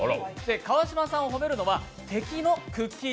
川島さんを褒めるのは敵のくっきー！